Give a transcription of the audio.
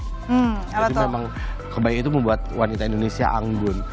jadi memang kebayang itu membuat wanita indonesia anggun